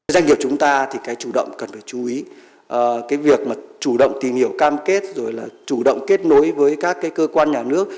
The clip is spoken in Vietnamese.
doanh nghiệp chúng ta thì cái chủ động cần phải chú ý cái việc mà chủ động tìm hiểu cam kết rồi là chủ động kết nối với các cơ quan nhà nước